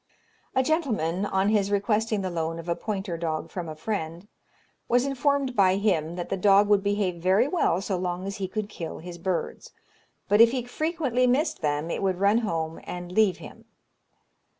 A gentleman, on his requesting the loan of a pointer dog from a friend, was informed by him that the dog would behave very well so long as he could kill his birds; but if he frequently missed them, it would run home and leave him.